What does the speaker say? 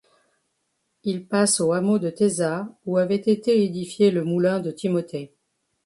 Il passe au hameau de Tesa où avait été édifié le moulin de Timothée.